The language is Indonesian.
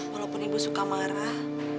walaupun ibu suka marah